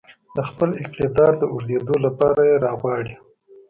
د خپل اقتدار د اوږدېدو لپاره يې راغواړي.